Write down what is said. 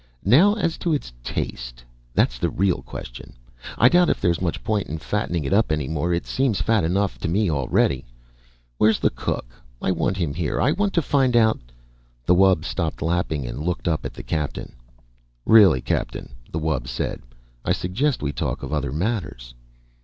"Now, as to its taste. That's the real question. I doubt if there's much point in fattening it up any more. It seems fat enough to me already. Where's the cook? I want him here. I want to find out " The wub stopped lapping and looked up at the Captain. "Really, Captain," the wub said. "I suggest we talk of other matters."